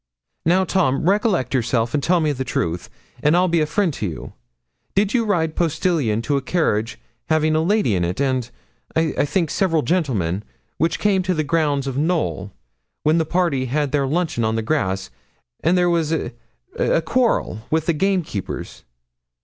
'Now, Tom, recollect yourself, and tell me the truth, and I'll be a friend to you. Did you ride postilion to a carriage having a lady in it, and, I think, several gentlemen, which came to the grounds of Knowl, when the party had their luncheon on the grass, and there was a a quarrel with the gamekeepers?